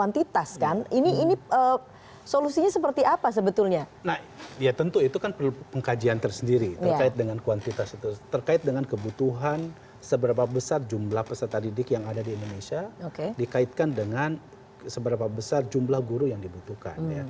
terkait dengan kebutuhan seberapa besar jumlah peserta didik yang ada di indonesia dikaitkan dengan seberapa besar jumlah guru yang dibutuhkan